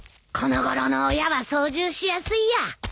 このごろの親は操縦しやすいや